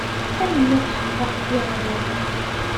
Tanemmirt ḥeqqa ɣef yiḍelli.